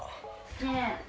ねえ。